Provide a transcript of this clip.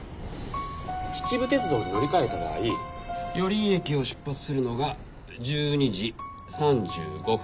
秩父鉄道に乗り換えた場合寄居駅を出発するのが１２時３５分。